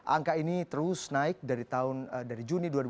angka ini terus naik dari juni dua ribu dua puluh